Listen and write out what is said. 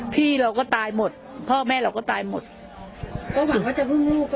พี่เราก็ตายหมดพ่อแม่เราก็ตายหมดก็หวังเขาจะพึ่งลูก